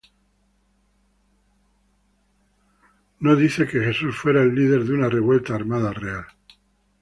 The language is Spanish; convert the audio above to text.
No dice que Jesús fuera el líder de una revuelta armada real.